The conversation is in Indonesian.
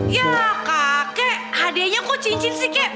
ya kakek hadiahnya kok cincin sih kek